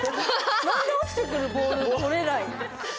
何で落ちてくるボール取れない。